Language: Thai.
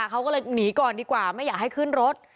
เขาก็เลยหนีก่อนดีกว่าไม่อยากให้ขึ้นรถ